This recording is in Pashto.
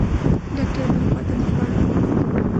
ډاکتر بلې خوا ته مخ واړاوه.